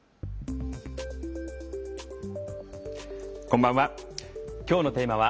こんばんは。